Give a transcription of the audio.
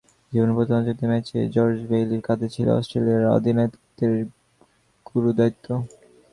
জীবনের প্রথম আন্তর্জাতিক ম্যাচেই জর্জ বেইলির কাঁধে ছিল অস্ট্রেলিয়ার অধিনায়কত্বের গুরুদায়িত্ব।